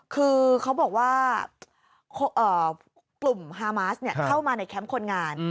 คือเขาบอกว่ากลุ่มฮามาสเข้ามาในแคมป์คนงาน